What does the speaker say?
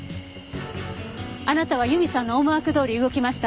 あなたは由美さんの思惑どおり動きましたね。